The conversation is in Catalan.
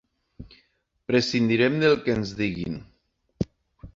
Prescindirem del que ens diguin.